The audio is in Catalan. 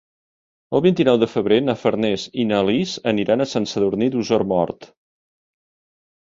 El vint-i-nou de febrer na Farners i na Lis aniran a Sant Sadurní d'Osormort.